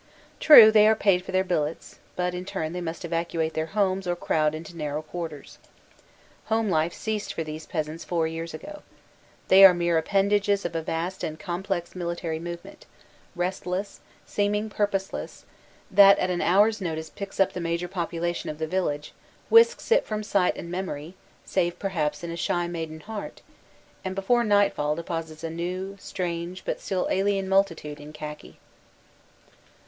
True, they are paid for their billets; but in turn they must evacuate their homes or crowd into narrow quarters. Home life ceased for these peasants four years ago. They are the mere appendage of a vast and complex military movement, restless, seeming pur poseless, that at an hour s notice picks up the major population of the village, whisks it from sight and memory (save perhaps in a shy maiden heart), and before nightfall deposits a new, strange, but still alien multitude in khaki.